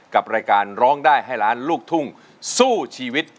กับรายการร้องได้ให้ล้านลูกทุ่งสู้ชีวิต